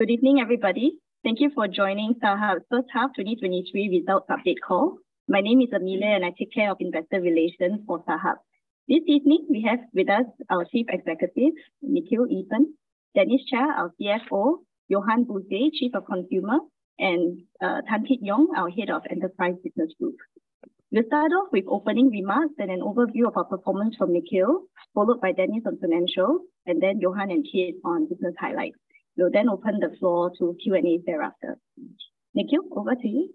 Good evening, everybody. Thank you for joining StarHub's first half 2023 results update call. My name is Amelia, and I take care of investor relations for StarHub. This evening, we have with us our Chief Executive, Nikhil Eapen, Dennis Chia, our CFO, Johan Buse, Chief of Consumer, and Tan Kit Yong, our Head of Enterprise Business Group. We'll start off with opening remarks and an overview of our performance from Nikhil, followed by Dennis on financial, and then Johan and Kit on business highlights. We'll then open the floor to Q&A thereafter. Nikhil, over to you.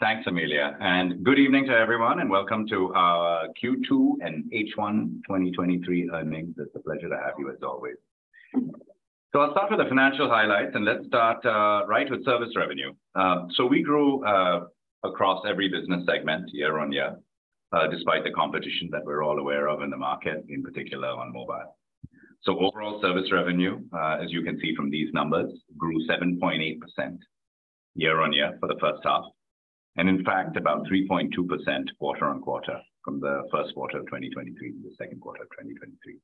Thanks, Amelia, and good evening to everyone, and welcome to our Q2 and H1 2023 earnings. It's a pleasure to have you, as always. I'll start with the financial highlights, and let's start right with service revenue. We grew across every business segment year-on-year, despite the competition that we're all aware of in the market, in particular on mobile. Overall service revenue, as you can see from these numbers, grew 7.8% year-on-year for the first half, and in fact about 3.2% quarter-on-quarter from the first quarter of 2023 to the second quarter of 2023.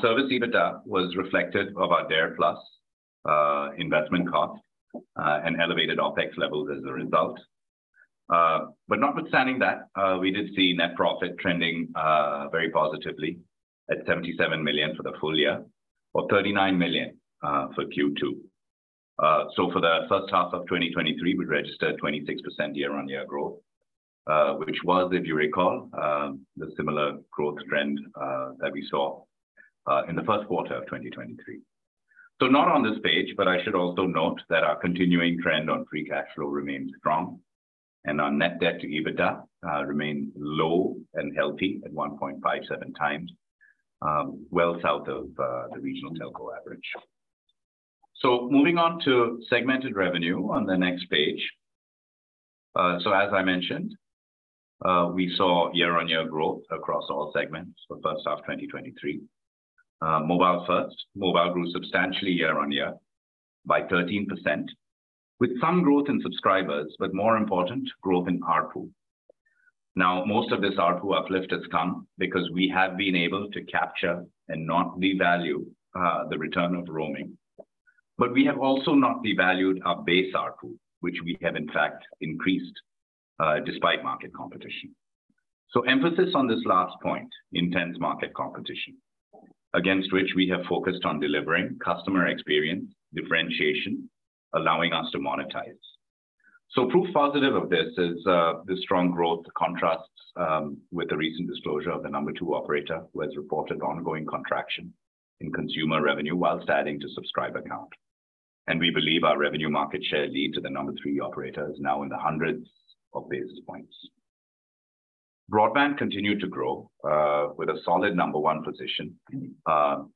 Service EBITDA was reflected of our DARE+ investment cost and elevated OpEx levels as a result. Notwithstanding that, we did see net profit trending very positively at 77 million for the full year or 39 million for Q2. For the first half of 2023, we registered 26% year-on-year growth, which was, if you recall, the similar growth trend that we saw in the first quarter of 2023. Not on this page, but I should also note that our continuing trend on free cash flow remains strong and our net debt to EBITDA remain low and healthy at 1.57x, well south of the regional telco average. Moving on to segmented revenue on the next page. As I mentioned, we saw year-on-year growth across all segments for first half 2023. Mobile first. Mobile grew substantially year-on-year by 13% with some growth in subscribers, but more important, growth in ARPU. Most of this ARPU uplift has come because we have been able to capture and not devalue the return of roaming. We have also not devalued our base ARPU, which we have in fact increased despite market competition. Emphasis on this last point, intense market competition, against which we have focused on delivering customer experience differentiation, allowing us to monetize. Proof positive of this is the strong growth contrasts with the recent disclosure of the number two operator who has reported ongoing contraction in consumer revenue whilst adding to subscriber count. We believe our revenue market share lead to the number three operator is now in the hundreds of basis points. Broadband continued to grow with a solid number one position,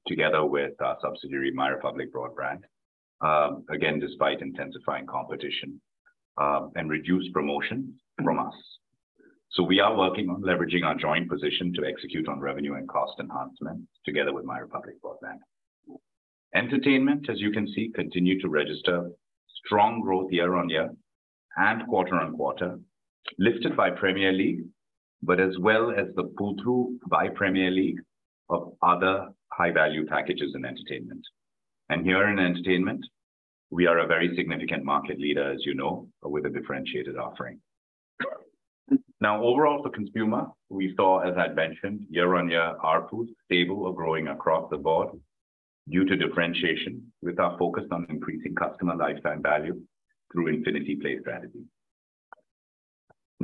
together with our subsidiary, MyRepublic Broadband, again, despite intensifying competition and reduced promotion from us. We are working on leveraging our joint position to execute on revenue and cost enhancements together with MyRepublic Broadband. Entertainment, as you can see, continued to register strong growth year-on-year and quarter-on-quarter, lifted by Premier League, but as well as the pull-through by Premier League of other high-value packages in entertainment. Here in entertainment, we are a very significant market leader, as you know, with a differentiated offering. Overall for consumer, we saw, as I'd mentioned, year-on-year ARPU stable or growing across the board due to differentiation with our focus on increasing customer lifetime value through InfinityPlay strategy.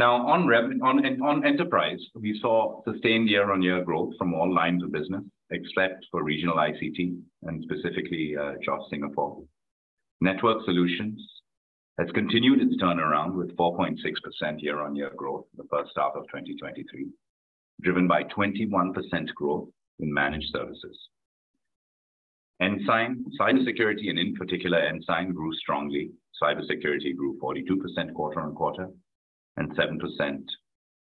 On enterprise, we saw sustained year-on-year growth from all lines of business except for regional ICT and specifically, JOS Singapore. Network solutions has continued its turnaround with 4.6% year-on-year growth in the first half of 2023, driven by 21% growth in managed services. Ensign, cybersecurity, and in particular Ensign, grew strongly. Cybersecurity grew 42% quarter-on-quarter and 7%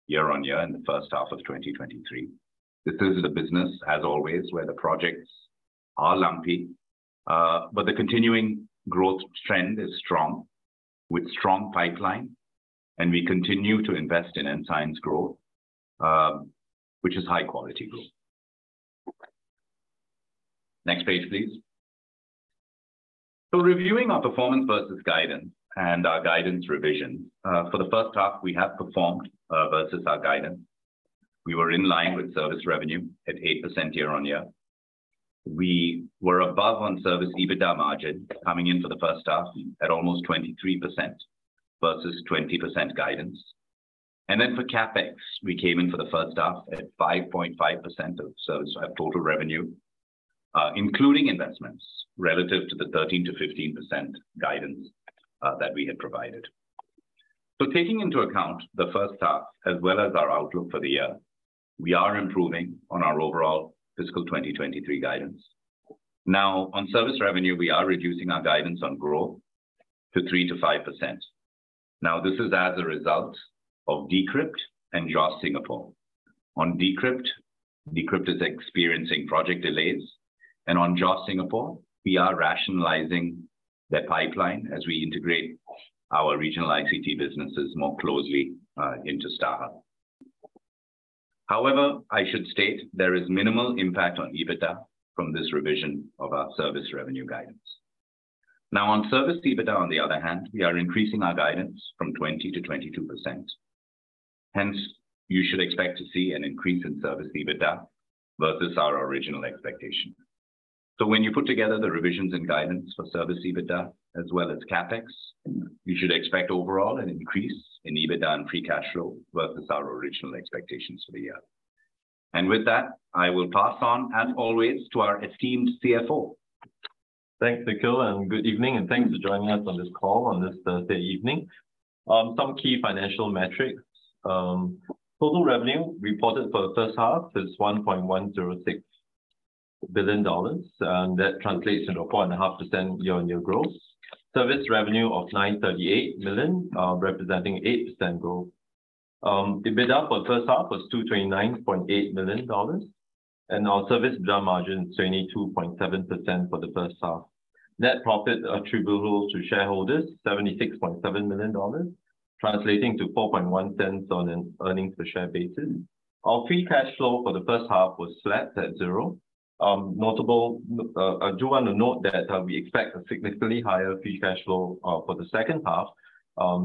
year-on-year in the first half of 2023. This is a business, as always, where the projects are lumpy. The continuing growth trend is strong with strong pipeline, and we continue to invest in Ensign's growth, which is high quality growth. Next page, please. Reviewing our performance versus guidance and our guidance revision. For the first half, we have performed versus our guidance. We were in line with service revenue at 8% year-on-year. We were above on service EBITDA margin coming in for the first half at almost 23% versus 20% guidance. For CapEx, we came in for the first half at 5.5% of service total revenue, including investments relative to the 13%-15% guidance that we had provided. Taking into account the first half as well as our outlook for the year, we are improving on our overall fiscal 2023 guidance. On service revenue, we are reducing our guidance on growth to 3%-5%. This is as a result of D'Crypt and JOS Singapore. On D'Crypt is experiencing project delays. On JOS Singapore, we are rationalizing their pipeline as we integrate our regional ICT businesses more closely into StarHub. However, I should state there is minimal impact on EBITDA from this revision of our service revenue guidance. On service EBITDA on the other hand, we are increasing our guidance from 20%-22%. Hence, you should expect to see an increase in service EBITDA versus our original expectation. When you put together the revisions and guidance for service EBITDA as well as CapEx, you should expect overall an increase in EBITDA and free cash flow versus our original expectations for the year. With that, I will pass on as always to our esteemed CFO. Thanks, Nikhil, and good evening and thanks for joining us on this call on this Thursday evening. Some key financial metrics. Total revenue reported for the first half is 1.106 billion dollars, and that translates into a 4.5% year-on-year growth. Service revenue of 938 million, representing 8% growth. EBITDA for the first half was 229.8 million dollars, and our service gross margin is 22.7% for the first half. Net profit attributable to shareholders, SGD 76.7 million, translating to 0.041 on an earnings per share basis. Our free cash flow for the first half was flat at zero. Notable, I do want to note that we expect a significantly higher free cash flow for the second half,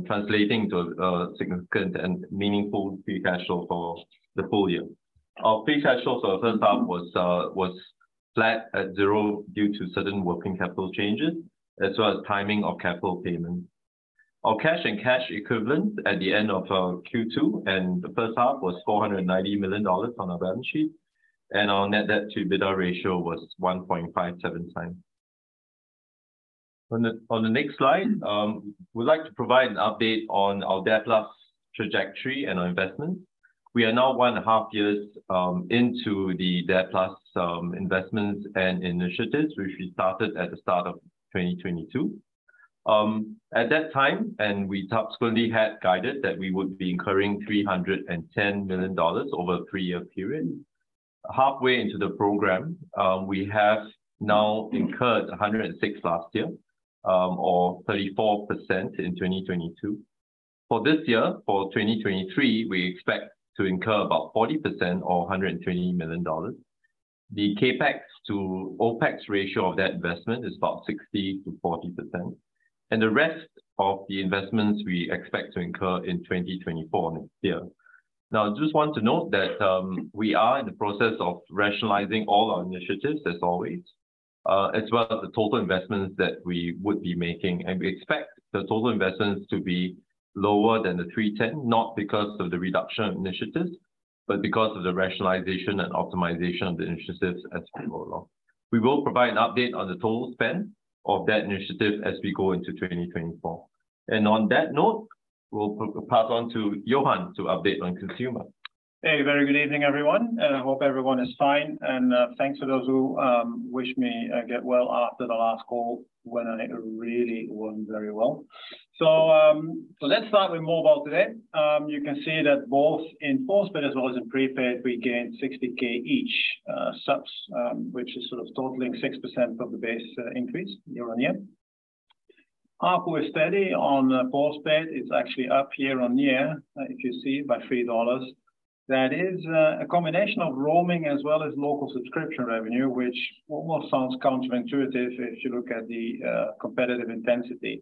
translating to a significant and meaningful free cash flow for the full year. Our free cash flow for the first half was flat at zero due to certain working capital changes as well as timing of capital payments. Our cash and cash equivalent at the end of Q2 and the first half was 490 million dollars on our balance sheet, and our net debt to EBITDA ratio was 1.57x. On the next slide, we'd like to provide an update on our DARE+ trajectory and our investment. We are now one and a half years into the DARE+ investments and initiatives, which we started at the start of 2022. At that time, we subsequently had guided that we would be incurring 310 million dollars over a three-year period. Halfway into the program, we have now incurred 106 million last year, or 34% in 2022. For this year, for 2023, we expect to incur about 40% or 120 million dollars. The CapEx to OpEx ratio of that investment is about 60% to 40%. The rest of the investments we expect to incur in 2024 next year. Now I just want to note that, we are in the process of rationalizing all our initiatives as always, as well as the total investments that we would be making. We expect the total investments to be lower than the 310, not because of the reduction initiatives, but because of the rationalization and optimization of the initiatives as we go along. We will provide an update on the total spend of that initiative as we go into 2024. On that note, we'll pass on to Johan to update on consumer. A very good evening, everyone. Hope everyone is fine and thanks to those who wished me a get-well after the last call when I really weren't very well. Let's start with mobile today. You can see that both in post-paid as well as in pre-paid, we gained 60K each subs, which is sort of totaling 6% of the base increase year-on-year. ARPU is steady on post-paid. It's actually up year-on-year, if you see by 3 dollars. That is a combination of roaming as well as local subscription revenue, which almost sounds counterintuitive if you look at the competitive intensity.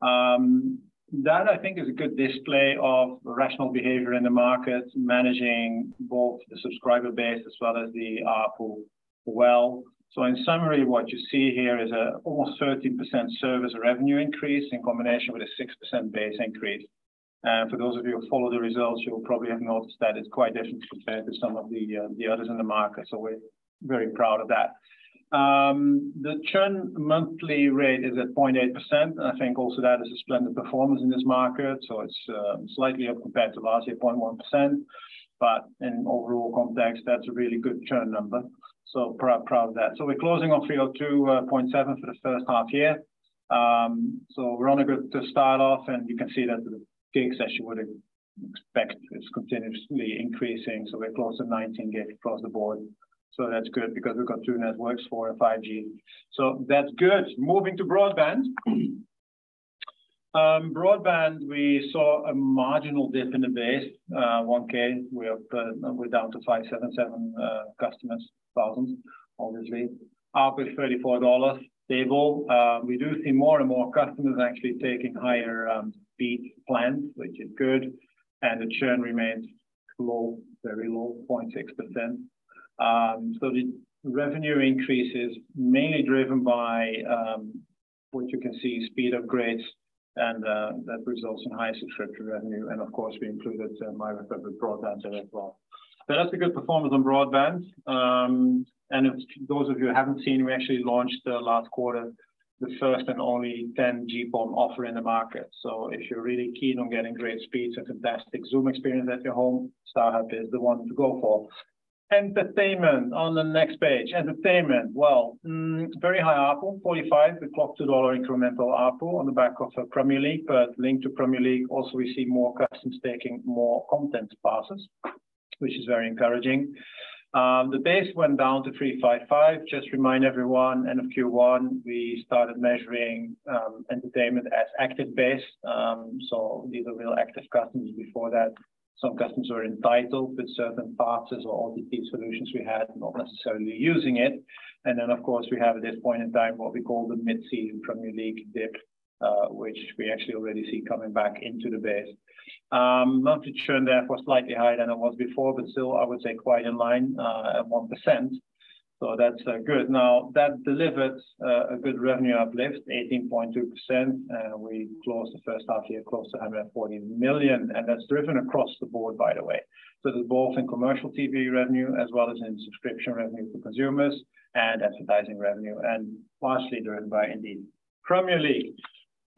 That I think is a good display of rational behavior in the market, managing both the subscriber base as well as the ARPU well. In summary, what you see here is a almost 13% service revenue increase in combination with a 6% base increase. For those of you who follow the results, you'll probably have noticed that it's quite different compared to some of the others in the market. We're very proud of that. The churn monthly rate is at 0.8%, and I think also that is a splendid performance in this market, so it's slightly up compared to last year at 0.1%. In overall context, that's a really good churn number. Proud of that. We're closing off 302.7 for the first half year. We're on a good to start off, and you can see that the gigs as you would expect is continuously increasing. We're close to 19 GB across the board. That's good because we've got two networks, 4G and 5G. That's good. Moving to broadband. Broadband, we saw a marginal dip in the base, 1,000. We are, we're down to 577,000 customers, thousands obviously. ARPU is 34 dollars. Stable. We do see more and more customers actually taking higher speed plans, which is good and the churn remains low, very low, 0.6%. The revenue increase is mainly driven by what you can see, speed upgrades and that results in higher subscription revenue. Of course, we included MyRepublic Broadband in it as well. That's a good performance on broadband. If those of you who haven't seen, we actually launched last quarter, the first and only XGS-PON offer in the market. If you're really keen on getting great speeds and fantastic Zoom experience at your home, StarHub is the one to go for. Entertainment on the next page. Entertainment, very high ARPU, SGD 45. We clocked SGD 2 incremental ARPU on the back of Premier League. Linked to Premier League also, we see more customers taking more content passes, which is very encouraging. The base went down to 355. Just remind everyone, end of Q1, we started measuring entertainment as active base. These are real active customers. Before that, some customers were entitled with certain passes or all the key solutions we had, not necessarily using it. Of course, we have at this point in time, what we call the mid-season Premier League dip, which we actually already see coming back into the base. Monthly churn therefore slightly higher than it was before, but still I would say quite in line, at 1%, so that's good. That delivered a good revenue uplift, 18.2%. We closed the first half year close to 140 million, and that's driven across the board, by the way. There's both in commercial TV revenue as well as in subscription revenue for consumers and advertising revenue, and partially driven by, indeed, Premier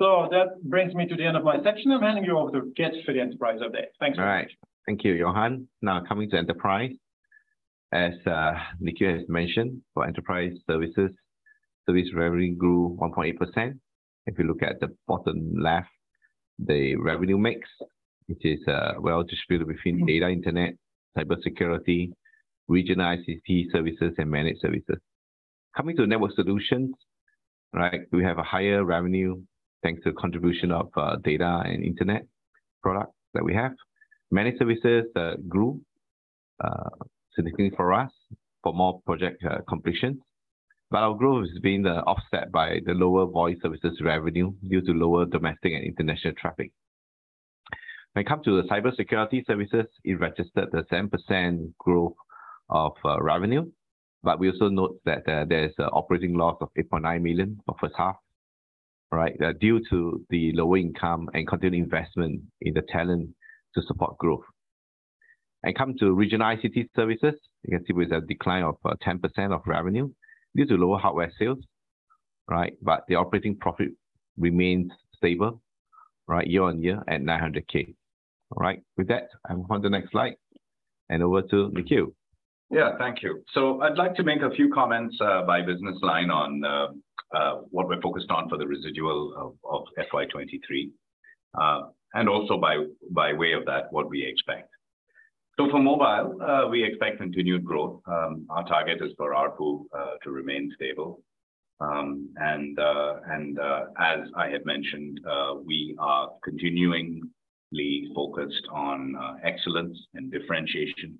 League. That brings me to the end of my section. I'm handing you over to Tan Kit Yong for the enterprise update. Thanks very much. All right. Thank you, Johan. Now coming to Enterprise. As Nikhil has mentioned, for Enterprise services, service revenue grew 1.8%. If you look at the bottom left, the revenue mix, which is well distributed between data, internet, cybersecurity, regional ICT services and managed services. Coming to network solutions, right? We have a higher revenue thanks to contribution of data and internet products that we have. Managed services grew significantly for us for more project completions. Our growth has been offset by the lower voice services revenue due to lower domestic and international traffic. When it come to the cybersecurity services, it registered a 10% growth of revenue. We also note that there's a operating loss of 8.9 million for first half, right? Due to the lower income and continued investment in the talent to support growth. Coming to regional ICT services, you can see with a decline of 10% of revenue due to lower hardware sales, right? The operating profit remains stable, right, year-on-year at 900K. All right. With that, I move on to the next slide, and over to Nikhil. Thank you. I'd like to make a few comments by business line on what we're focused on for the residual of FY 2023. Also by way of that, what we expect. For mobile, we expect continued growth. Our target is for ARPU to remain stable. As I had mentioned, we are continuingly focused on excellence and differentiation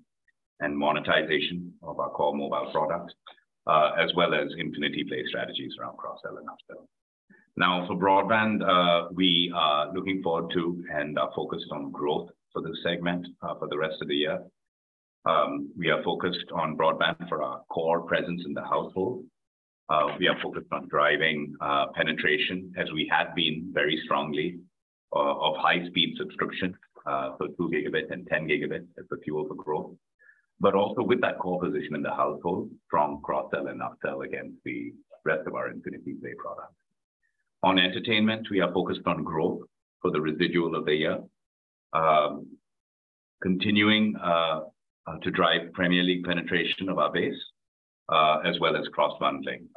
and monetization of our core mobile products, as well as Infinity Play strategies around cross-sell and upsell. Now, for broadband, we are looking forward to and are focused on growth for this segment for the rest of the year. We are focused on broadband for our core presence in the household. We are focused on driving penetration as we have been very strongly of high-speed subscription, so 2 gigabit and 10 gigabit as the fuel for growth. With that core position in the household, strong cross-sell and upsell against the rest of our Infinity Play products. On entertainment, we are focused on growth for the residual of the year. Continuing to drive Premier League penetration of our base, as well as cross-bundling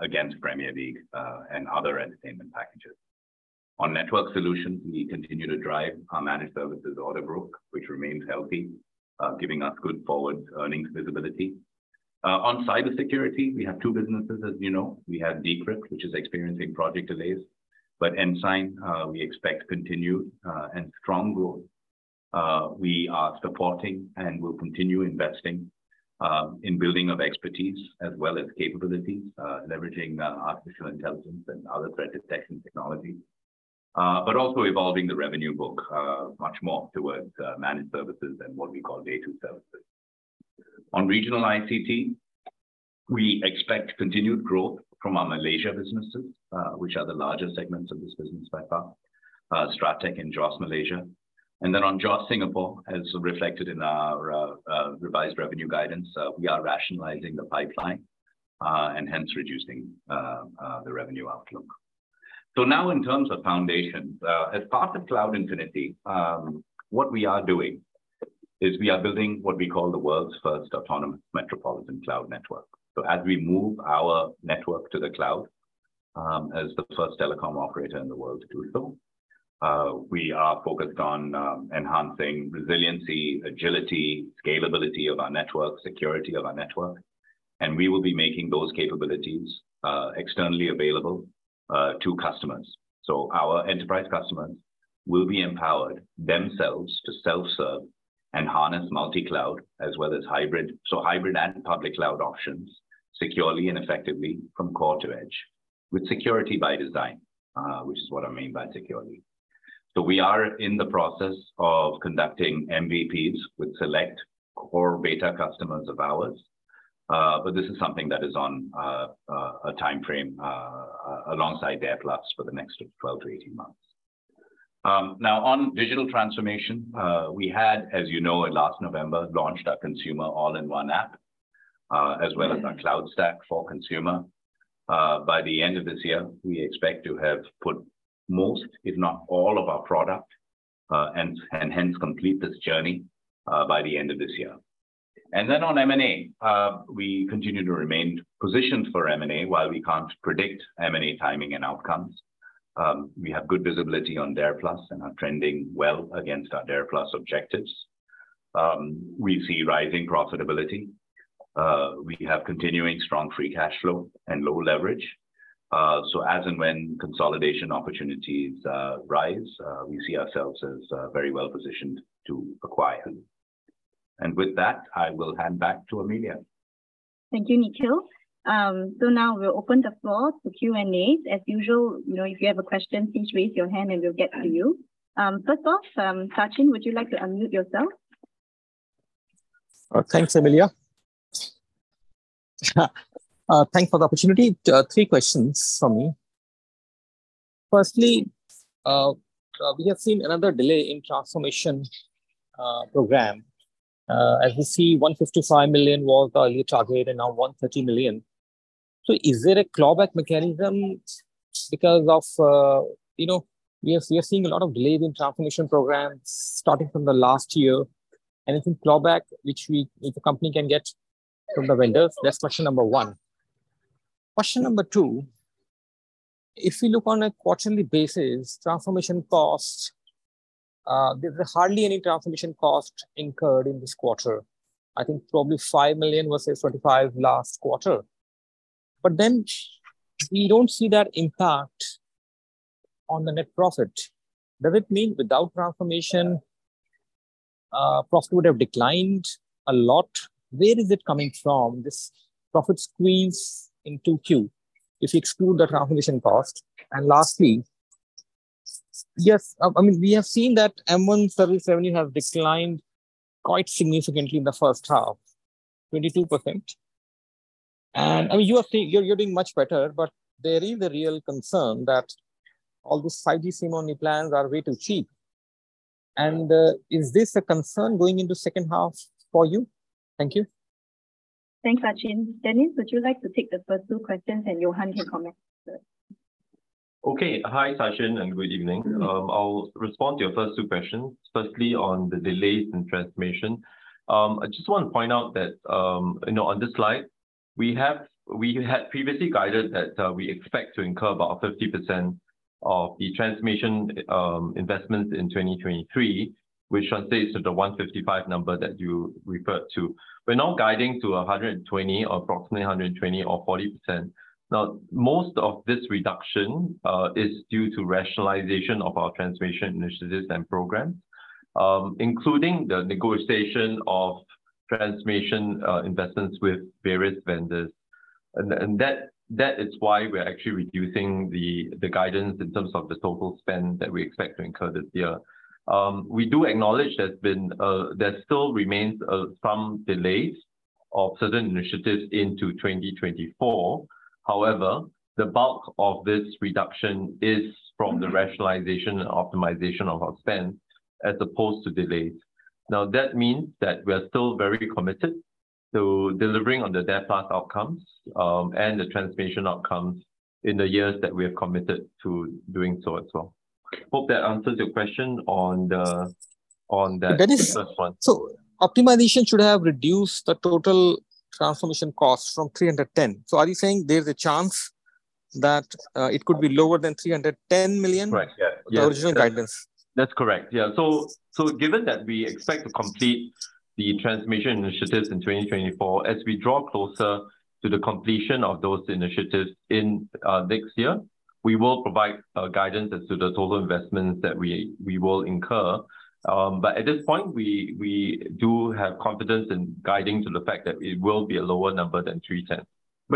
against Premier League and other entertainment packages. On network solutions, we continue to drive our managed services order book, which remains healthy, giving us good forward earnings visibility. On cybersecurity, we have two businesses, as you know. We have D'Crypt, which is experiencing project delays, but Ensign InfoSecurity, we expect continued and strong growth. We are supporting and will continue investing in building of expertise as well as capabilities, leveraging artificial intelligence and other threat detection technology. But also evolving the revenue book much more towards managed services than what we call data services. On regional ICT, we expect continued growth from our Malaysia businesses, which are the largest segments of this business by far, Strateq and JOS Malaysia. On JOS Singapore, as reflected in our revised revenue guidance, we are rationalizing the pipeline and hence reducing the revenue outlook. In terms of foundation, as part of Cloud Infinity, what we are doing is we are building what we call the world's first autonomous metropolitan cloud network. As we move our network to the cloud, as the first telecom operator in the world to do so, we are focused on enhancing resiliency, agility, scalability of our network, security of our network, and we will be making those capabilities externally available to customers. Our enterprise customers will be empowered themselves to self-serve and harness multi-cloud as well as hybrid, so hybrid and public cloud options securely and effectively from core to edge with security by design, which is what I mean by security. But this is something that is on a timeframe alongside their clocks for the next 12 months to 18 months. Now on digital transformation, we had, as you know, in last November, launched our consumer all-in-one app, as well as our cloud stack for consumer. By the end of this year, we expect to have put most, if not all of our product, and hence complete this journey, by the end of this year. On M&A, we continue to remain positioned for M&A. While we can't predict M&A timing and outcomes. We have good visibility on DARE+ and are trending well against our DARE+ objectives. We see rising profitability. We have continuing strong free cash flow and low leverage. As and when consolidation opportunities rise, we see ourselves as very well positioned to acquire. I will hand back to Amelia. Thank you, Nikhil. Now we'll open the floor to Q&A. As usual, you know, if you have a question, please raise your hand and we'll get to you. First off, Sachin, would you like to unmute yourself? Thanks, Amelia. Thanks for the opportunity. Three questions from me. Firstly, we have seen another delay in transformation program. As you see, 155 million was targeted and now 130 million. Is there a clawback mechanism because of, you know, we are seeing a lot of delay in transformation programs starting from the last year. Anything clawback which the company can get from the vendors? That's question number one. Question number two, if you look on a quarterly basis, transformation costs, there's hardly any transformation cost incurred in this quarter. I think probably 5 million versus 35 last quarter. We don't see that impact on the net profit. Does it mean without transformation, profit would have declined a lot? Where is it coming from, this profit squeeze in 2Q if you exclude the transformation cost? Lastly, yes, I mean, we have seen that M1 ARPU has declined quite significantly in the first half, 22%. I mean, you're doing much better, but there is a real concern that all those 5G SIM-only plans are way too cheap. Is this a concern going into second half for you? Thank you. Thanks, Sachin. Dennis, would you like to take the first two questions and Johan can comment on the third? Hi, Sachin, good evening. I'll respond to your first two questions. Firstly, on the delays in transformation. I just want to point out that, you know, on this slide we had previously guided that we expect to incur about 50% of the transformation investments in 2023, which translates to the 155 number that you referred to. We're now guiding to 120 or approximately 120 or 40%. Most of this reduction is due to rationalization of our transformation initiatives and programs, including the negotiation of transformation investments with various vendors. That is why we're actually reducing the guidance in terms of the total spend that we expect to incur this year. We do acknowledge there's been, there still remains, some delays of certain initiatives into 2024. The bulk of this reduction is from the rationalization and optimization of our spend as opposed to delays. That means that we're still very committed to delivering on the DARE+ outcomes, and the transformation outcomes in the years that we have committed to doing so as well. Hope that answers your question on that. Dennis- -the first one. Optimization should have reduced the total transformation cost from 310. Are you saying there's a chance that it could be lower than 310 million? Right. Yeah. Yeah. the original guidance? That's correct. Yeah. Given that we expect to complete the transformation initiatives in 2024, as we draw closer to the completion of those initiatives in next year, we will provide guidance as to the total investments that we will incur. At this point, we do have confidence in guiding to the fact that it will be a lower number than 310.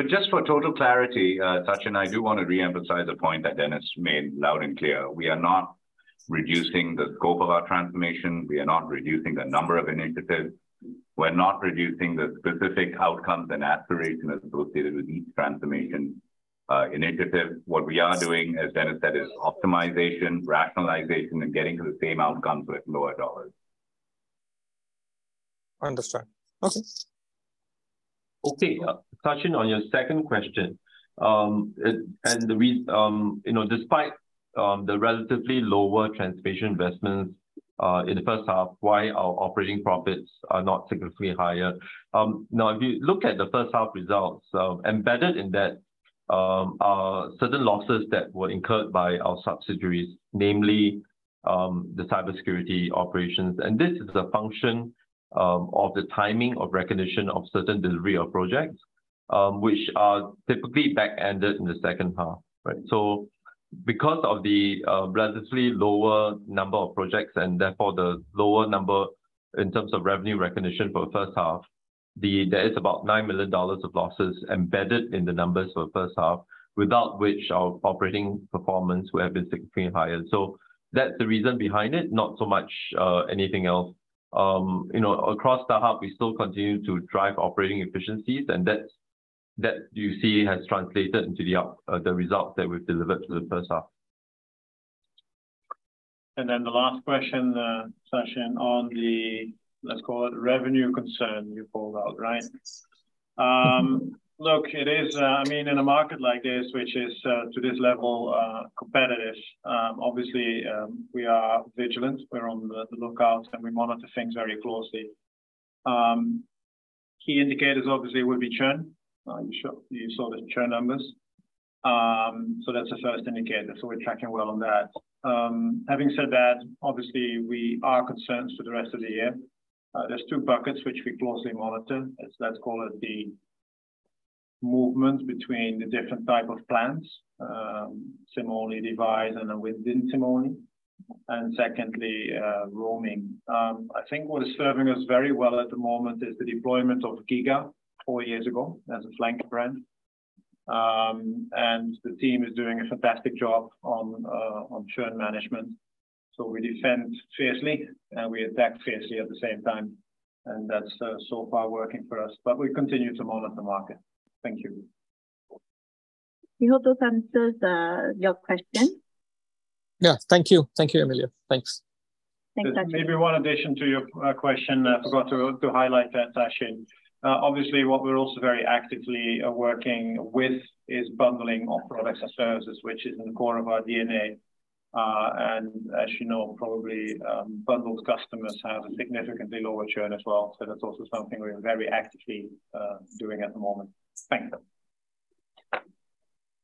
Just for total clarity, Sachin, I do wanna reemphasize a point that Dennis made loud and clear. We are not reducing the scope of our transformation. We are not reducing the number of initiatives. We're not reducing the specific outcomes and aspiration associated with each transformation initiative. What we are doing, as Dennis said, is optimization, rationalization, and getting to the same outcomes with lower dollars. Understand. Okay. Okay. Sachin, on your second question, you know, despite the relatively lower transformation investments in the first half, why our operating profits are not significantly higher. Now if you look at the first half results, embedded in that, are certain losses that were incurred by our subsidiaries, namely, the cybersecurity operations. This is a function of the timing of recognition of certain delivery of projects, which are typically back ended in the second half, right? Because of the relatively lower number of projects and therefore the lower number in terms of revenue recognition for the first half, there is about 9 million dollars of losses embedded in the numbers for the first half, without which our operating performance would have been significantly higher. That's the reason behind it, not so much, anything else. You know, across StarHub, we still continue to drive operating efficiencies, and that's, that you see has translated into the results that we've delivered for the first half. The last question, Sachin, on the, let's call it, revenue concern you called out, right? Look, it is, I mean, in a market like this, which is to this level, competitive, obviously, we are vigilant. We're on the lookout, and we monitor things very closely. Key indicators obviously would be churn. You saw the churn numbers. That's the first indicator. We're tracking well on that. Having said that, obviously we are concerned for the rest of the year. There's two buckets which we closely monitor. Let's call it the movement between the different type of plans, SIM-only device and then within SIM-only. Secondly, roaming. I think what is serving us very well at the moment is the deployment of giga! four years ago as a flank brand. The team is doing a fantastic job on churn management. We defend fiercely, and we attack fiercely at the same time, and that's so far working for us. We continue to monitor the market. Thank you. We hope those answers your question. Yeah. Thank you. Thank you, Amelia. Thanks. Thanks, Sachin. Maybe one addition to your question. Yes I forgot to highlight that, Sachin. Obviously, what we're also very actively working with is bundling of products and services, which is in the core of our DNA. As you know, probably, bundled customers have a significantly lower churn as well, so that's also something we're very actively doing at the moment. Thank you.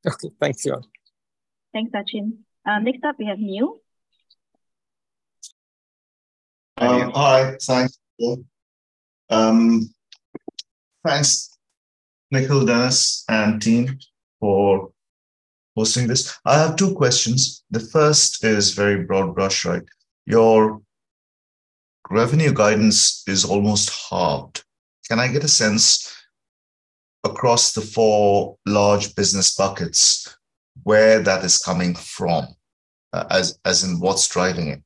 Okay. Thanks, Johan. Thanks, Sachin. Next up we have Neil. Hi, Neil. Hi. Thanks, Johan. Thanks Nikhil, Dennis, and team for hosting this. I have two questions. The first is very broad brush, right? Your revenue guidance is almost halved. Can I get a sense across the four large business buckets where that is coming from, what's driving it?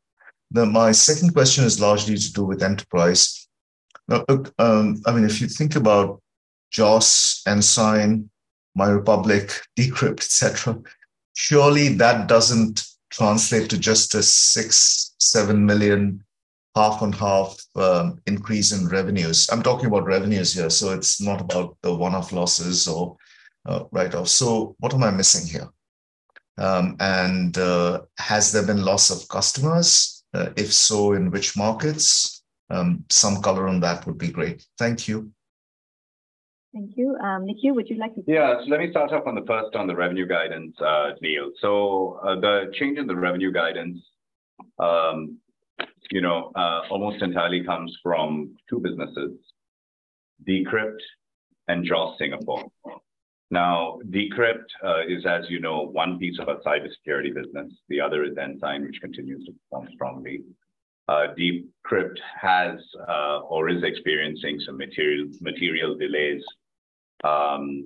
My second question is largely to do with enterprise. Now, look, I mean, if you think about JOS, Ensign, MyRepublic, D'Crypt, et cetera, surely that doesn't translate to just a 6 million-7 million half on half increase in revenues. I'm talking about revenues here, so it's not about the one-off losses or write-off. What am I missing here? Has there been loss of customers? If so, in which markets? Some color on that would be great. Thank you. Thank you. Nikhil. Let me start off on the first on the revenue guidance, Neil. The change in the revenue guidance, you know, almost entirely comes from two businesses: D'Crypt and JOS Singapore. D'Crypt is, as you know, one piece of our cybersecurity business. The other is Ensign, which continues to perform strongly. D'Crypt has, or is experiencing some material delays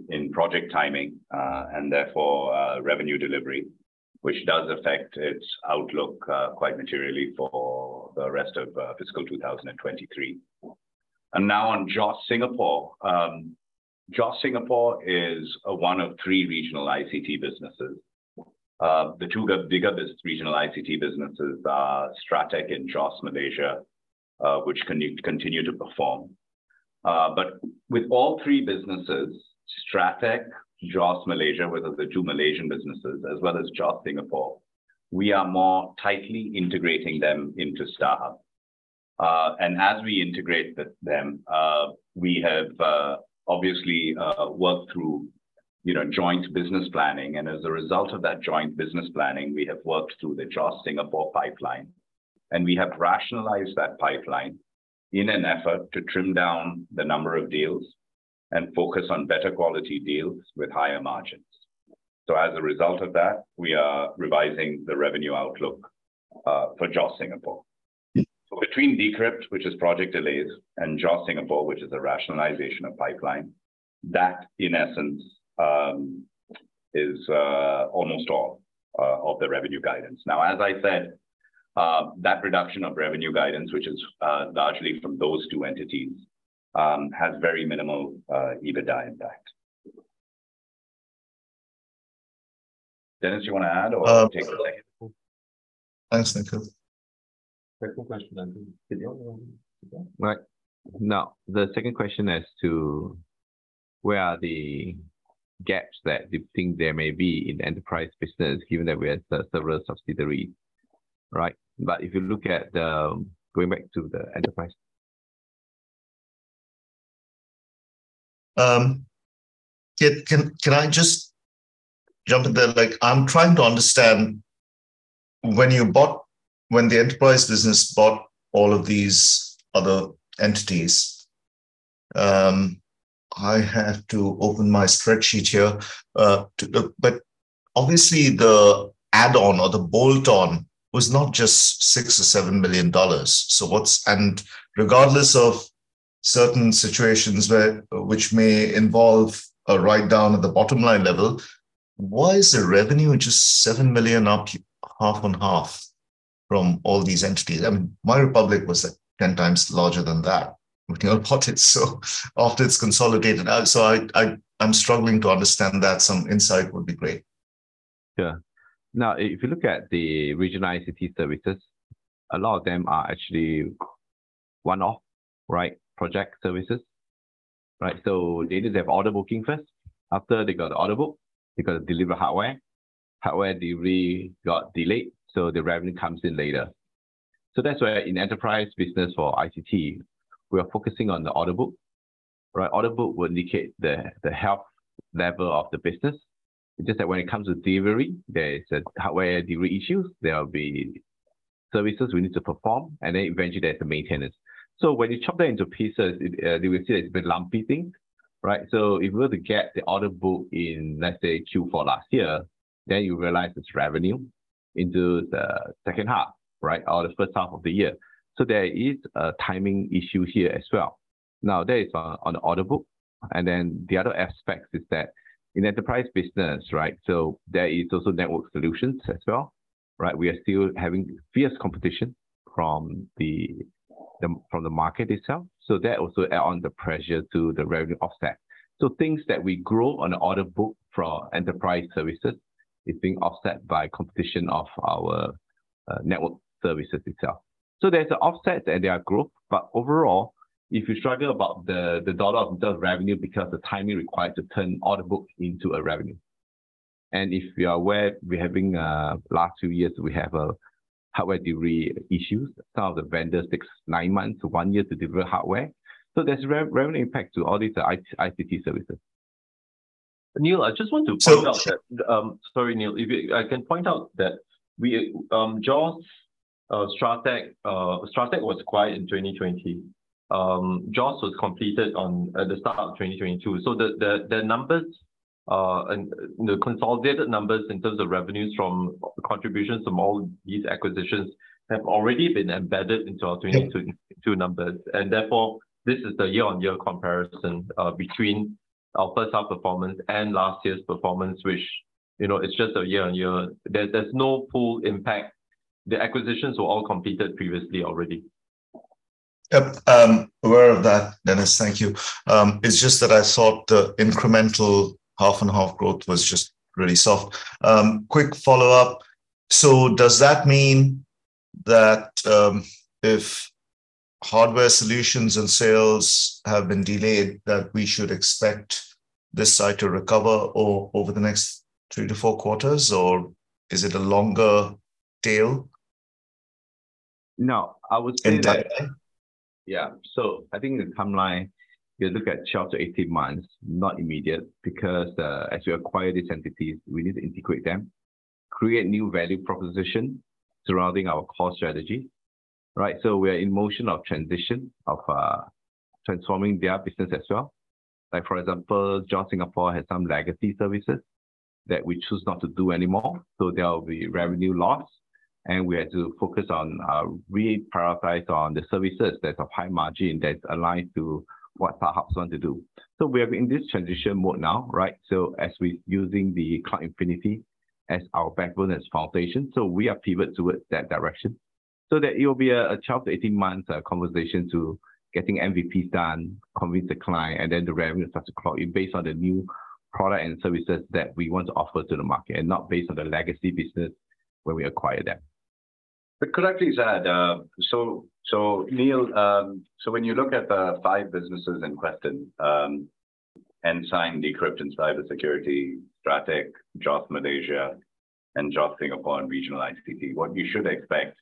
in project timing, and therefore, revenue delivery, which does affect its outlook quite materially for the rest of fiscal 2023. On JOS Singapore, JOS Singapore is one of three regional ICT businesses. The bigger business, regional ICT businesses are Strateq and JOS Malaysia, which continue to perform. With all three businesses, Strateq, JOS Malaysia, which are the two Malaysian businesses, as well as JOS Singapore, we are more tightly integrating them into StarHub. As we integrate them, we have, obviously, worked through, you know, joint business planning. As a result of that joint business planning, we have worked through the JOS Singapore pipeline. We have rationalized that pipeline in an effort to trim down the number of deals and focus on better quality deals with higher margins. As a result of that, we are revising the revenue outlook for JOS Singapore. Yeah. Between D'Crypt, which is project delays, and JOS Singapore, which is the rationalization of pipeline, that in essence, is almost all of the revenue guidance. As I said, that reduction of revenue guidance, which is largely from those two entities, has very minimal EBITDA impact. Dennis, you wanna add or take a crack at it? Thanks, Nikhil. Second question then. Right. Now, the second question as to where are the gaps that you think there may be in enterprise business given that we had several subsidiary, right? If you look at the Going back to the enterprise. Can I just jump in there? Like, I'm trying to understand when you bought, when the Enterprise Business Group bought all of these other entities, I have to open my spreadsheet here to. Obviously the add-on or the bolt-on was not just 6 milliom or 7 million dollars. Regardless of certain situations where, which may involve a write down at the bottom line level, why is the revenue just 7 million up half on half from all these entities? I mean, MyRepublic was, like, 10 times larger than that when you all bought it, so after it's consolidated. I'm struggling to understand that. Some insight would be great. Yeah. If you look at the regional ICT services, a lot of them are actually one-off, right, project services, right? They need to have order booking first. After they got the order book, they got to deliver hardware. Hardware delivery got delayed, the revenue comes in later. That's why in enterprise business for ICT, we are focusing on the order book, right? Order book will indicate the health level of the business. Just that when it comes to delivery, there is a hardware delivery issue, there will be services we need to perform, and then eventually there's the maintenance. When you chop that into pieces, it, you will see it's a bit lumpy thing, right? If we were to get the order book in, let's say, Q4 last year, you realize it's revenue into the second half, right? The first half of the year. There is a timing issue here as well. That is on the order book. The other aspect is that in enterprise business, right? There is also network solutions as well, right? We are still having fierce competition from the market itself. That also add on the pressure to the revenue offset. Things that we grow on the order book for enterprise services is being offset by competition of our network services itself. There's a offset and there are growth, overall, if you struggle about the dollar of the revenue because the timing required to turn order book into a revenue. If you are aware, we're having last two years we have a hardware delivery issues. Some of the vendors takes nine months to one year to deliver hardware. There's re-revenue impact to all these ICT services. Neil, I just want to point out. So- Sorry, Neil. If I can point out that we, JOS, Strateq was acquired in 2020. JOS was completed on the start of 2022. The numbers and the consolidated numbers in terms of revenues from contributions from all these acquisitions have already been embedded into our 2022 numbers. Therefore, this is the year-on-year comparison between our first half performance and last year's performance which, you know, it's just a year-on-year. There's no full impact. The acquisitions were all completed previously already. Yep, I'm aware of that, Dennis. Thank you. It's just that I thought the incremental half and half growth was just really soft. Quick follow-up. Does that mean that if hardware solutions and sales have been delayed, that we should expect this side to recover over the next two to four quarters, or is it a longer tail? No, I would say that. Entirely. I think the timeline, you look at 12 months to 18 months, not immediate, because as we acquire these entities, we need to integrate them, create new value proposition surrounding our core strategy, right? We are in motion of transition of transforming their business as well. Like, for example, JOS Singapore has some legacy services that we choose not to do anymore. There will be revenue loss, and we have to focus on reprioritize on the services that's of high margin, that's aligned to what StarHub want to do. We are in this transition mode now, right? Using the Cloud Infinity as our backbone, as foundation. We are pivot towards that direction. That it will be a 12 months to 18 month conversation to getting MVPs done, convince the client, and then the revenue starts to flow in based on the new product and services that we want to offer to the market, and not based on the legacy business when we acquire them. Correctly said, so Neil, when you look at the five businesses in question, Ensign, D'Crypt and Cybersecurity, Strateq, JOS Malaysia, and JOS Singapore and Regional ICT, what you should expect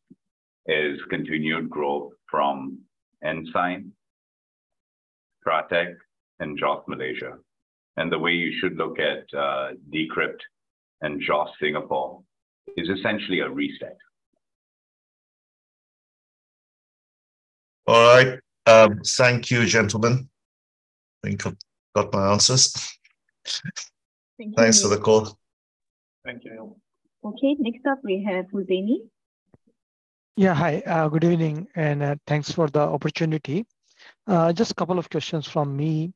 is continued growth from Ensign, Strateq and JOS Malaysia. The way you should look at D'Crypt and JOS Singapore is essentially a reset. All right. Thank you, gentlemen. I think I've got my answers. Thank you. Thanks for the call. Thank you. Okay. Next up we have Hussaini Saifee. Hi, good evening and thanks for the opportunity. Just two questions from me.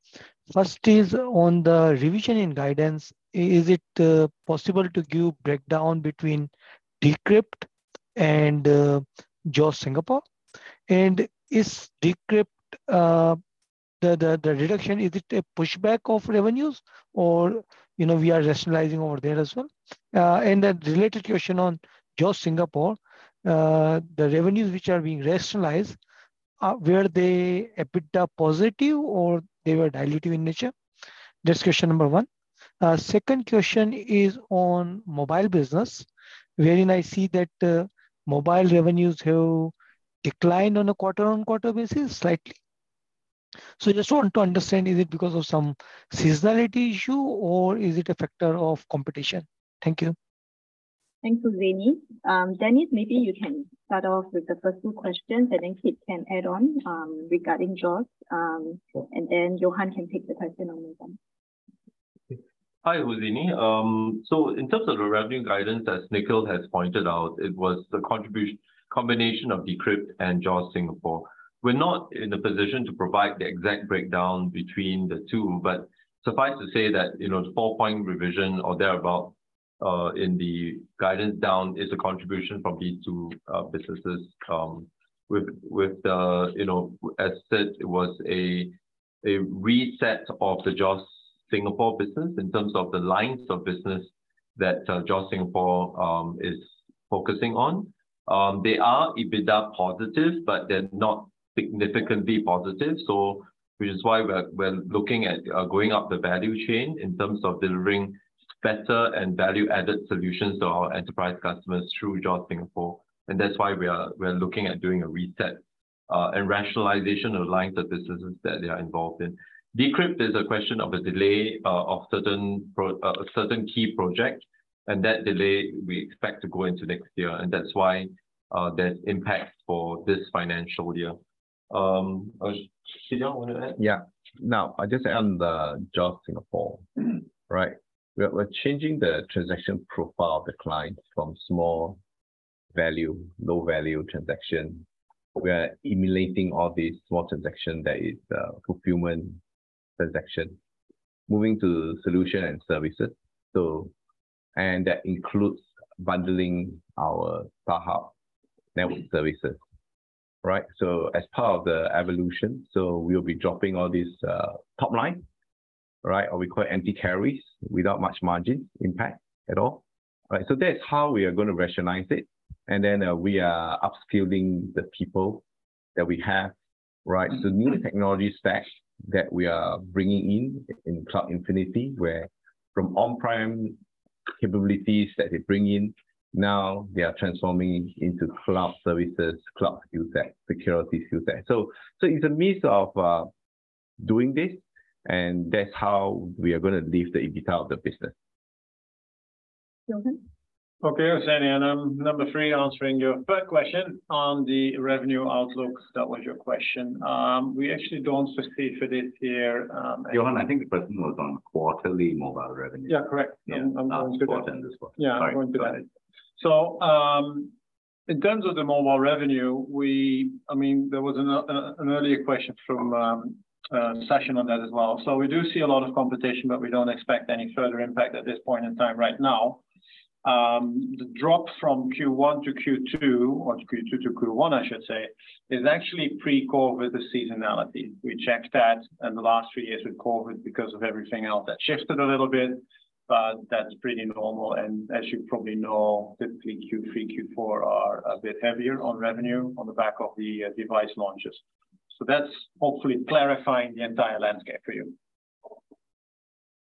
First is on the revision and guidance. Is it possible to give breakdown between D'Crypt and JOS Singapore? Is D'Crypt, the reduction, is it a pushback of revenues or, you know, we are rationalizing over there as well? A related question on JOS Singapore, the revenues which are being rationalized, were they EBITDA positive or they were dilutive in nature? That's question number one. Second question is on mobile business. Really I see, I see that mobile revenues have declined on a quarter-on-quarter basis slightly. I just want to understand, is it because of some seasonality issue or is it a factor of competition? Thank you. Thanks, Hussaini. Dennis, maybe you can start off with the first two questions, and then Kit can add on regarding JOS. Then Johan can take the question on mobile. Hi, Hussaini. In terms of the revenue guidance, as Nikhil has pointed out, it was the combination of D'Crypt and JOS Singapore. We're not in a position to provide the exact breakdown between the two, suffice to say that, you know, the four-point revision or thereabout in the guidance down is a contribution from these two businesses. With, you know, as said, it was a reset of the JOS Singapore business in terms of the lines of business that JOS Singapore is focusing on. They are EBITDA positive, they're not significantly positive, which is why we're looking at going up the value chain in terms of delivering. Better and value-added solutions to our enterprise customers through JOS Singapore. That's why we are looking at doing a reset and rationalization of lines of businesses that they are involved in. D'Crypt is a question of a delay of certain key projects, that delay we expect to go into next year, that's why there's impact for this financial year. Kit Yong, you wanna add? Yeah. I just add on the JOS Singapore. Right? We're changing the transaction profile of the clients from small value, low-value transaction. We are eliminating all these small transaction that is procurement transaction, moving to solution and services. That includes bundling our SaaS network services, right? As part of the evolution, we'll be dropping all these top line, right? Or we call anti-churn without much margin impact at all, right? That's how we are gonna rationalize it, we are upskilling the people that we have, right? Mm-hmm. New technology stack that we are bringing in Cloud Infinity, where from on-prem capabilities that they bring in, now they are transforming into cloud services, cloud use stack, security use stack. It's a mix of doing this, and that's how we are gonna leave the EBITDA of the business. Johan? Okay. Thanks, Amelia. I'm number three answering your third question on the revenue outlook. That was your question. We actually don't specify it here. Johan, I think the question was on quarterly mobile revenue. Yeah. Correct. Yeah. I'm going to go. Not full agenda slide. Yeah. I'm going to that. Sorry. Go ahead. I mean, in terms of the mobile revenue, there was an earlier question from Sachin on that as well. We do see a lot of competition, but we don't expect any further impact at this point in time right now. The drop from Q1 to Q2, or Q2 to Q1 I should say, is actually pre-COVID seasonality. We checked that, the last 3 years with COVID, because of everything else, that shifted a little bit, but that's pretty normal. As you probably know, typically Q3, Q4 are a bit heavier on revenue on the back of the device launches. That's hopefully clarifying the entire landscape for you.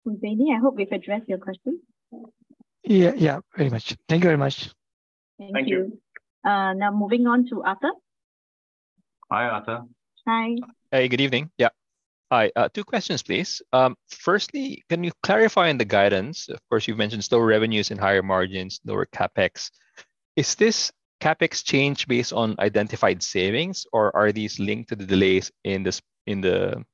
Hussaini, I hope we've addressed your question. Yeah. Yeah. Very much. Thank you very much. Thank you. Thank you. Now moving on to Arthur. Hi, Arthur. Hi. Hey, good evening. Yeah. Hi. Two questions, please. Firstly, can you clarify on the guidance? Of course, you've mentioned store revenues and higher margins, lower CapEx. Is this CapEx change based on identified savings, or are these linked to the delays in the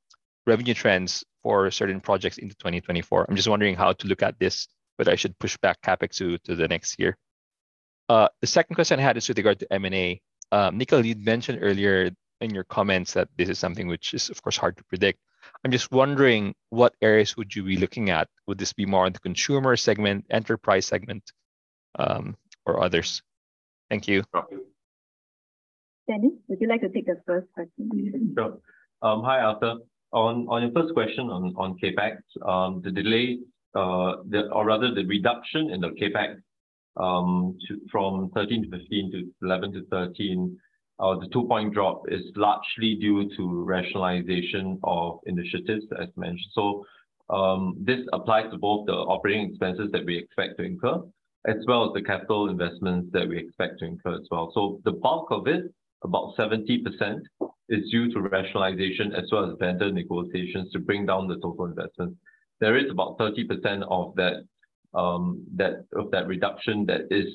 revenue trends for certain projects into 2024? I'm just wondering how to look at this, whether I should push back CapEx to the next year. The second question I had is with regard to M&A. Nikhil, you'd mentioned earlier in your comments that this is something which is, of course, hard to predict. I'm just wondering what areas would you be looking at. Would this be more in the consumer segment, enterprise segment, or others? Thank you. Okay. Dennis, would you like to take the first question? Sure. Hi, Arthur. On your first question on CapEx, or rather the reduction in the CapEx, from 13 to 15 to 11 to 13, the two-point drop is largely due to rationalization of initiatives, as mentioned. This applies to both the operating expenses that we expect to incur, as well as the capital investments that we expect to incur as well. The bulk of it, about 70%, is due to rationalization as well as vendor negotiations to bring down the total investment. There is about 30% of that reduction that is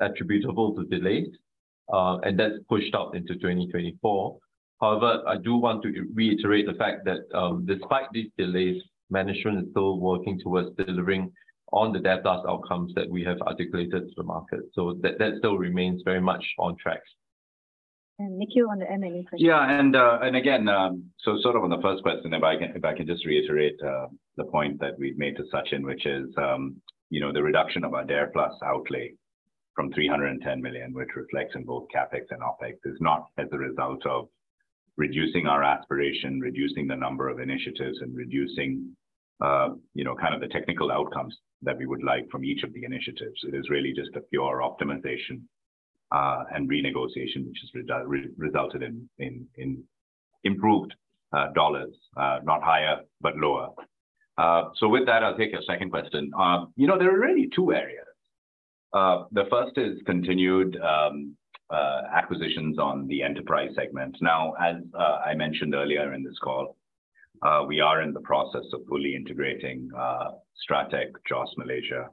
attributable to delays, and that's pushed out into 2024. However, I do want to reiterate the fact that, despite these delays, management is still working towards delivering on the DARE+ outcomes that we have articulated to the market. That still remains very much on track. Nikhil, on the M&A question. On the first question, if I can just reiterate the point that we've made to Sachin, which is, the reduction of our DARE+ outlay from 310 million, which reflects in both CapEx and OpEx, is not as a result of reducing our aspiration, reducing the number of initiatives and reducing kind of the technical outcomes that we would like from each of the initiatives. It is really just a pure optimization and renegotiation, which has resulted in improved SGD. Not higher, but lower. With that, I'll take your second question. There are really two areas. The first is continued acquisitions on the enterprise segment. Now, as I mentioned earlier in this call, we are in the process of fully integrating Strateq, JOS Malaysia,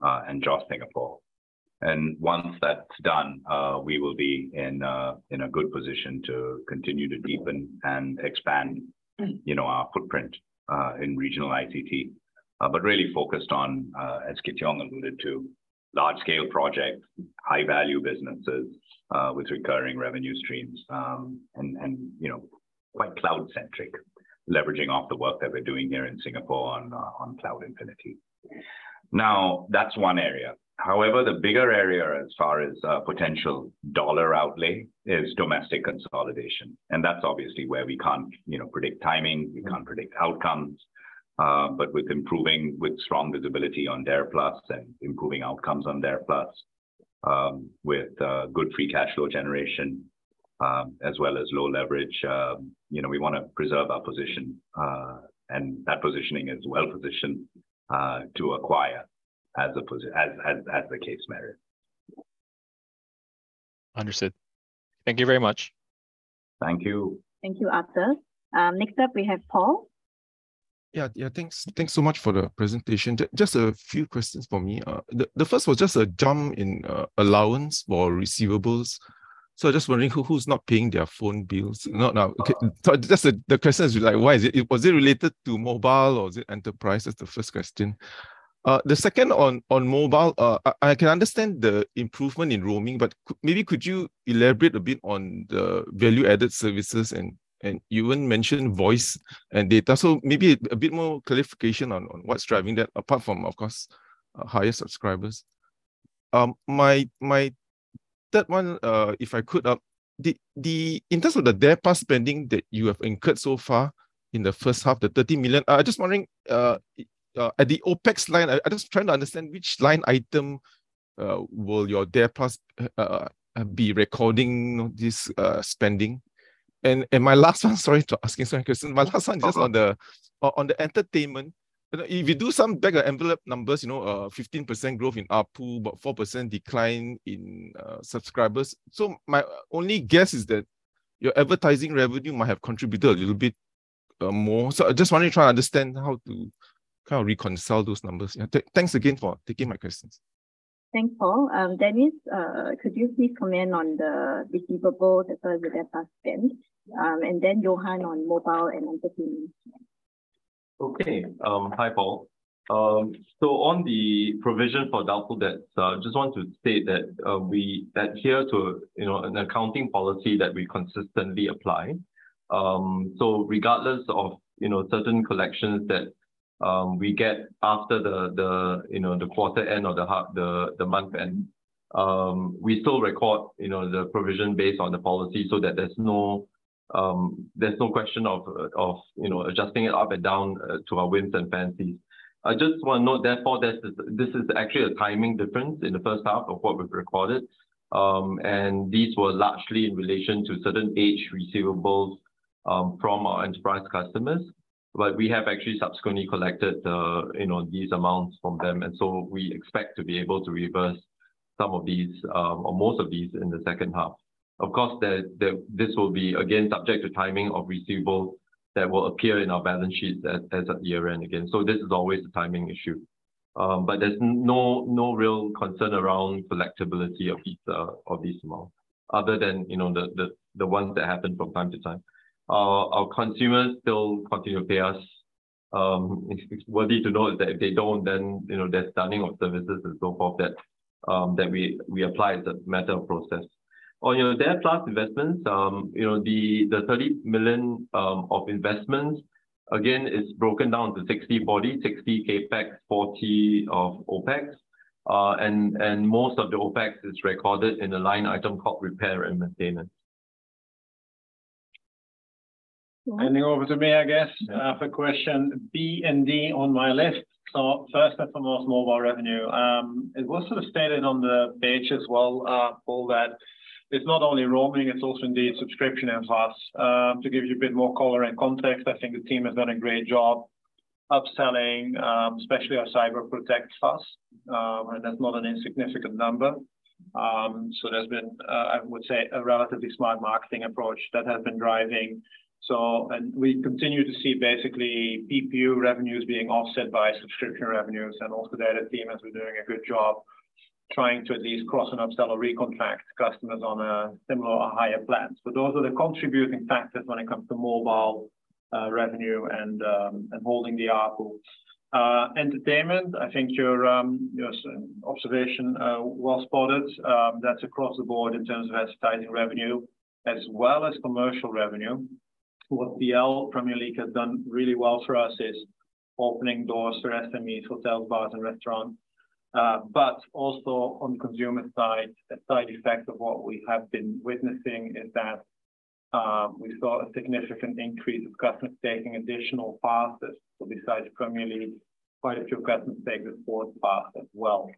and JOS Singapore. Once that's done, we will be in a good position to continue to deepen and expand. Mm... you know, our footprint, in regional ICT. Really focused on, as Kit Yong alluded to, large scale projects, high value businesses, with recurring revenue streams, and, you know, quite cloud centric, leveraging off the work that we're doing here in Singapore on Cloud Infinity. Now, that's one area. However, the bigger area as far as, potential dollar outlay is domestic consolidation, and that's obviously where we can't, you know, predict timing, we can't predict outcomes. With strong visibility on DARE+ and improving outcomes on DARE+. With good free cash flow generation, as well as low leverage, you know, we wanna preserve our position. That positioning is well-positioned to acquire as the case may read. Understood. Thank you very much. Thank you. Thank you, Arthur. Next up we have Paul. Yeah. Yeah. Thanks, thanks so much for the presentation. Just a few questions for me. The first was just a jump in allowance for receivables, so just wondering who's not paying their phone bills? No, no. Okay. The question is like why is it related to mobile or is it enterprise? That's the first question. The second on mobile, I can understand the improvement in roaming, but maybe could you elaborate a bit on the Value-Added Services and Johan mentioned voice and data. Maybe a bit more clarification on what's driving that apart from, of course, higher subscribers. My third one, if I could, the In terms of the DARE+ spending that you have incurred so far in the first half, the 30 million, I'm just wondering, at the OpEx line I'm just trying to understand which line item, will your DARE+ be recording this spending? My last one, sorry to ask you so many questions. No problem. My last one just on the entertainment. You know, if you do some back of envelope numbers, you know, 15% growth in ARPU, but 4% decline in subscribers. My only guess is that your advertising revenue might have contributed a little bit more. I just wanted to try and understand how to kind of reconcile those numbers. Yeah. Thanks again for taking my questions. Thanks, Paul. Dennis, could you please comment on the receivables as well as the DARE+ spend? Then Johan on mobile and entertainment. Okay. Hi, Paul. On the provision for doubtful debts, I just want to state that we adhere to an accounting policy that we consistently apply. Regardless of certain collections that we get after the quarter end or the month end, we still record the provision based on the policy so that there's no question of adjusting it up and down to our whims and fancies. I just want to note therefore that this is actually a timing difference in the first half of what we've recorded, and these were largely in relation to certain age receivables from our enterprise customers. We have actually subsequently collected the, you know, these amounts from them, and so we expect to be able to reverse some of these, or most of these in the second half. Of course, this will be again subject to timing of receivables that will appear in our balance sheets as at year-end again. This is always a timing issue. There's no real concern around collectability of these amounts other than, you know, the ones that happen from time to time. Our consumers still continue to pay us. It's worthy to note that if they don't, then, you know, there's stopping of services and so forth that we apply as a matter of process. On, you know, DARE+ investments, you know, the 30 million of investments again is broken down to 60/40, 60 CapEx, 40 of OpEx. Most of the OpEx is recorded in the line item called repair and maintenance. Paul. Handing over to me, I guess. Yeah. For question B and D on my list. First and foremost, mobile revenue. It was sort of stated on the page as well, Paul, that it's not only roaming, it's also indeed subscription and VAS. To give you a bit more color and context, I think the team has done a great job upselling, especially our CyberProtect VAS. That's not an insignificant number. There's been, I would say a relatively smart marketing approach that has been driving. We continue to see basically PPU revenues being offset by subscription revenues and also the anti-churn team as we're doing a good job trying to at least cross and upsell or recontract customers on a similar or higher plans. Those are the contributing factors when it comes to mobile revenue and holding the ARPU. Entertainment, I think your observation, well spotted. That's across the board in terms of advertising revenue as well as commercial revenue. What PL Premier League has done really well for us is opening doors for SMEs, hotels, bars and restaurants. Also on the consumer side, a side effect of what we have been witnessing is that we saw a significant increase of customers taking additional passes. Besides Premier League, quite a few customers take the sports pass as well.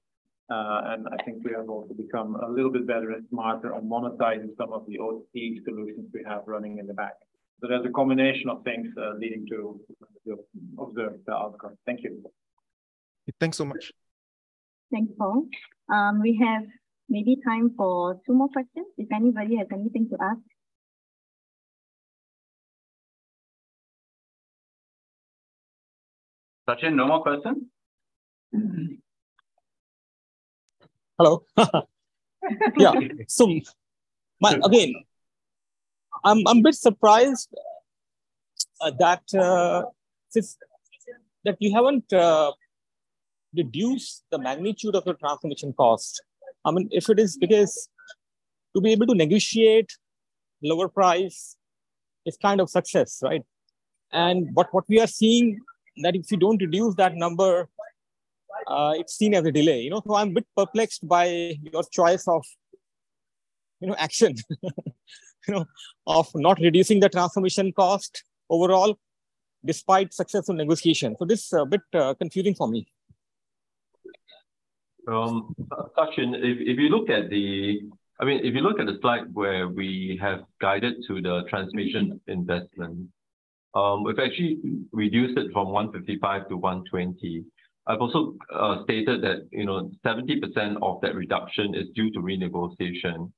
I think we have also become a little bit better and smarter on monetizing some of the OTT solutions we have running in the back. There's a combination of things leading to the observed outcome. Thank you. Thanks so much. Thanks, Paul. We have maybe time for two more questions, if anybody has anything to ask. Sachin, no more question? Hello. Yeah. again, I'm a bit surprised, that. Sachin that you haven't reduced the magnitude of your transformation cost. I mean, if it is because to be able to negotiate lower price is kind of success, right? But what we are seeing, that if you don't reduce that number, it's seen as a delay, you know? I'm a bit perplexed by your choice of action, you know, of not reducing the transformation cost overall despite successful negotiation. This is a bit confusing for me. Sachin, I mean, if you look at the slide where we have guided to the transformation invaestment. Mm-hmm... we've actually reduced it from 155 to 120. I've also stated that, you know, 70% of that reduction is due to renegotiation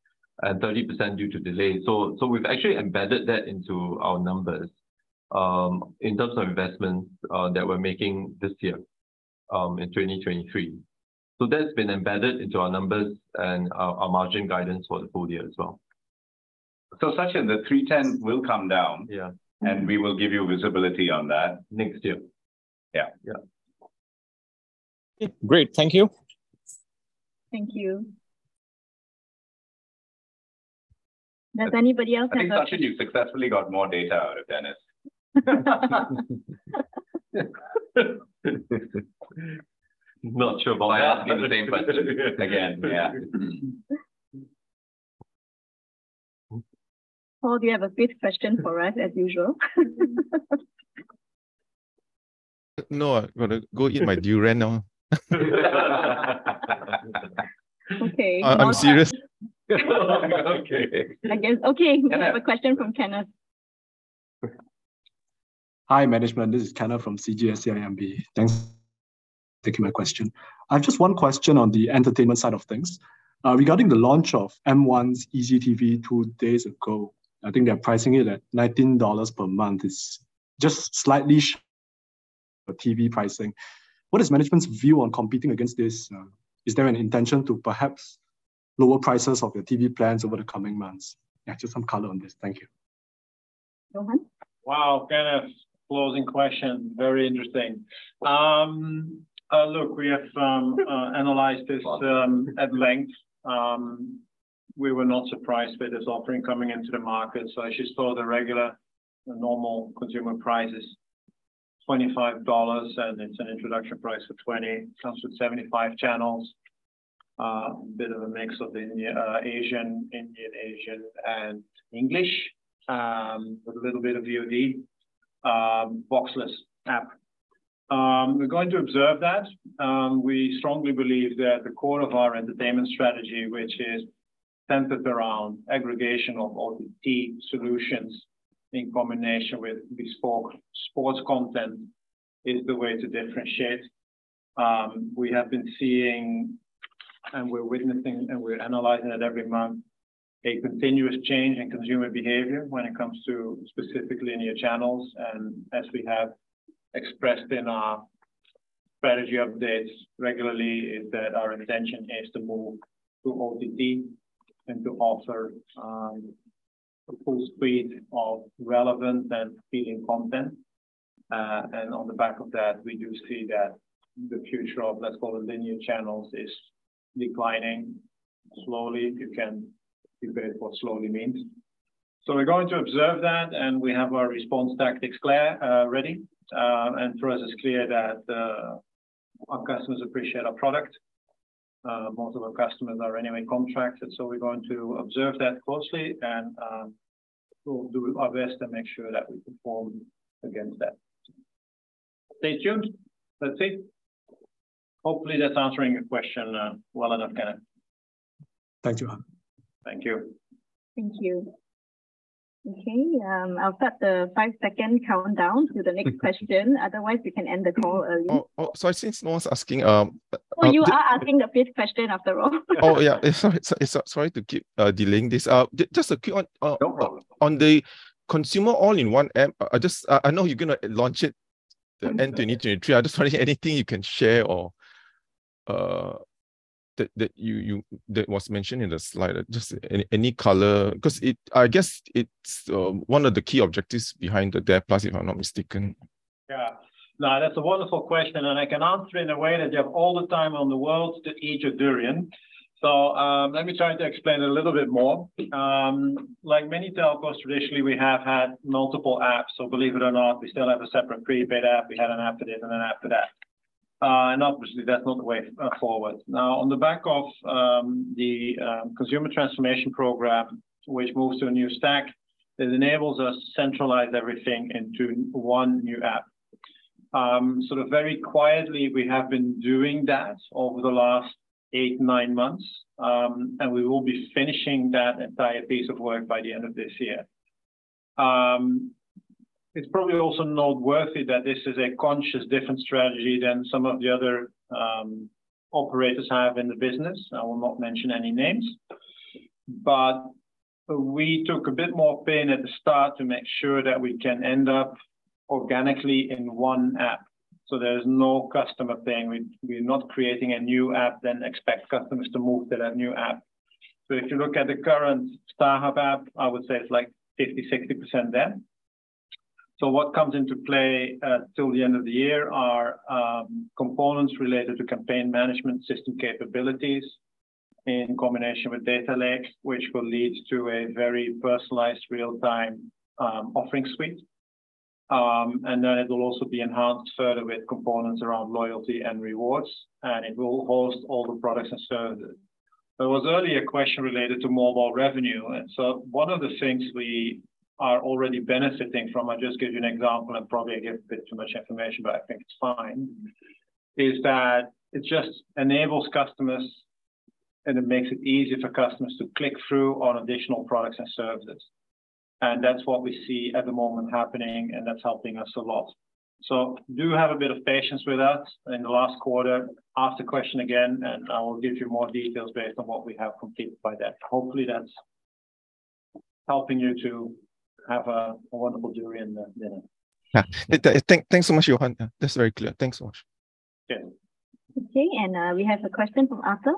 and 30% due to delays. We've actually embedded that into our numbers, in terms of investments, that we're making this year, in 2023. That's been embedded into our numbers and our margin guidance for the full year as well. Sachin, the 310 will come down. Yeah. We will give you visibility on that next year. Yeah. Yeah. Great. Thank you. Thank you. Does anybody else have a- I think, Sachin, you've successfully got more data out of Dennis. Not sure but. By asking the same question again. Yeah. Paul, do you have a fifth question for us as usual? No. I'm gonna go eat my durian now. Okay. I'm serious. Okay. I guess, okay. Kenneth. We have a question from Kenneth. Hi, management. This is Kenneth from CGS-CIMB. Thanks for taking my question. I've just one question on the entertainment side of things. Regarding the launch of M1's Eazie TV two days ago, I think they are pricing it at 19 dollars per month. It's just slightly the TV pricing. What is management's view on competing against this? Is there an intention to perhaps lower prices of your TV plans over the coming months? Yeah, just some color on this. Thank you. Johan. Wow, Kenneth. Closing question, very interesting. Look, we have analyzed this at length. We were not surprised by this offering coming into the market. As you saw, the regular, the normal consumer price is 25 dollars and it's an introduction price for 20. It comes with 75 channels. A bit of a mix of the Asian, Indian, Asian, and English, with a little bit of VOD, box less app. We're going to observe that. We strongly believe that the core of our entertainment strategy, which is centered around aggregation of OTT solutions in combination with bespoke sports content is the way to differentiate. We have been seeing and we're witnessing and we're analyzing it every month, a continuous change in consumer behavior when it comes to specifically linear channels. As we have expressed in our strategy updates regularly is that our intention is to move to OTT and to offer a full suite of relevant and appealing content. On the back of that, we do see that the future of, let's call it linear channels, is declining slowly, if you can debate what slowly means. We're going to observe that, and we have our response tactics clear, ready. For us it's clear that our customers appreciate our product. Most of our customers are anyway contracted, so we're going to observe that closely and we'll do our best to make sure that we perform against that. Stay tuned. That's it. Hopefully that's answering your question well enough, Kenneth. Thank you, Johan. Thank you. Thank you. Okay, I'll start the five-second countdown to the next question, otherwise we can end the call early. Oh, sorry, since no one's asking. Oh, you are asking the fifth question after all. Oh, yeah, sorry, sorry to keep delaying this. Just a quick one. No problem. on the consumer all-in-one app, I know you're gonna launch it at end of 2023. I'm just wondering anything you can share or that you that was mentioned in the slide. Just any color. Cause it, I guess it's one of the key objectives behind the DARE+, if I'm not mistaken. That's a wonderful question, and I can answer in a way that you have all the time in the world to eat your durian. Let me try to explain a little bit more. Like many telcos, traditionally we have had multiple apps. Believe it or not, we still have a separate prepaid app. We had an app for this and an app for that. Obviously that's not the way forward. On the back of the consumer transformation program, which moves to a new stack, it enables us to centralize everything into one new app. Sort of very quietly, we have been doing that over the last eight, nine months. We will be finishing that entire piece of work by the end of this year. It's probably also noteworthy that this is a conscious different strategy than some of the other operators have in the business. I will not mention any names. We took a bit more pain at the start to make sure that we can end up organically in one app, so there's no customer pain. We're not creating a new app then expect customers to move to that new app. If you look at the current StarHub app, I would say it's like 50%, 60% there. What comes into play till the end of the year are components related to campaign management system capabilities in combination with data lakes, which will lead to a very personalized real-time offering suite. It will also be enhanced further with components around loyalty and rewards, and it will host all the products and services. There was earlier a question related to mobile revenue. One of the things we are already benefiting from, I'll just give you an example, and probably I give a bit too much information, but I think it's fine, is that it just enables customers, and it makes it easier for customers to click through on additional products and services. That's what we see at the moment happening, and that's helping us a lot. Do have a bit of patience with that. In the last quarter, ask the question again, and I will give you more details based on what we have completed by then. Hopefully, that's helping you to have a wonderful day and dinner. Yeah. Thanks so much, Johan. That's very clear. Thanks so much. Okay. Okay. We have a question from Arthur.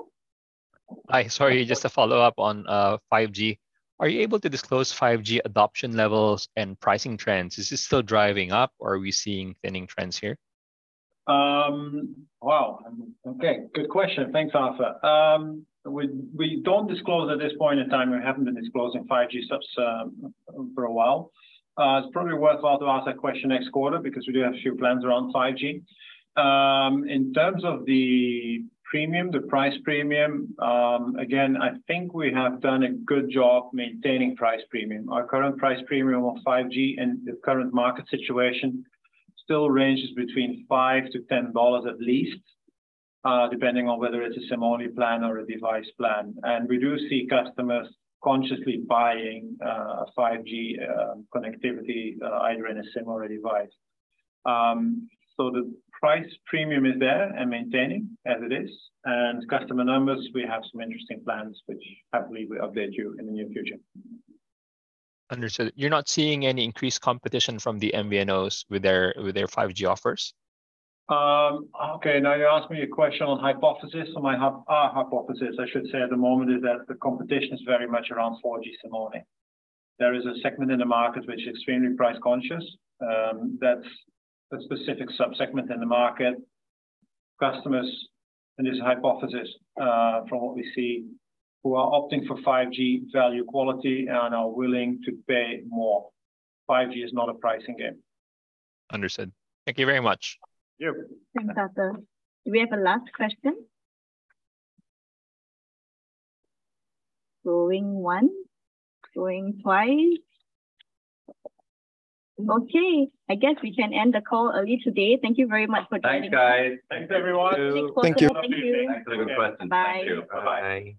Hi. Sorry, just a follow-up on 5G. Are you able to disclose 5G adoption levels and pricing trends? Is this still driving up or are we seeing thinning trends here? Wow. Okay. Good question. Thanks, Arthur. We don't disclose at this point in time, we haven't been disclosing 5G subs for a while. It's probably worthwhile to ask that question next quarter because we do have a few plans around 5G. In terms of the premium, the price premium, again, I think we have done a good job maintaining price premium. Our current price premium on 5G and the current market situation still ranges between 5-10 dollars at least, depending on whether it's a SIM-only plan or a device plan. We do see customers consciously buying 5G connectivity either in a SIM or a device. The price premium is there and maintaining as it is. Customer numbers, we have some interesting plans which hopefully we update you in the near future. Understood. You're not seeing any increased competition from the MVNOs with their, with their 5G offers? Okay, now you're asking me a question on hypothesis. My hypothesis, I should say at the moment is that the competition is very much around 4G SIM-only. There is a segment in the market which is extremely price conscious. That's a specific subsegment in the market. Customers, and this is a hypothesis, from what we see, who are opting for 5G value quality and are willing to pay more. 5G is not a pricing game. Understood. Thank you very much. Yeah. Thanks, Arthur. Do we have a last question? Going once, going twice. Okay. I guess we can end the call early today. Thank you very much for joining. Thanks, guys. Thanks, everyone. Thank you. Thanks for coming. Thank you. Thanks for the question. Thank you. Bye. Bye. Bye.